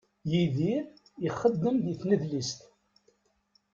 Yidir ixeddem di tnedlist.